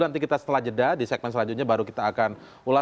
nanti kita setelah jeda di segmen selanjutnya baru kita akan ulas